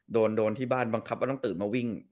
โดนโดนที่บ้านบังคับว่าต้องตื่นมาวิ่ง